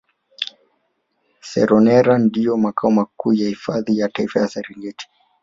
Seronera ndio makao makuu ya hifadhi ya Taifa ya Serengeti